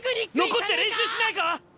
残って練習しないか！？